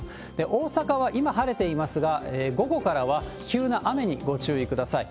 大阪は今、晴れていますが、午後からは急な雨にご注意ください。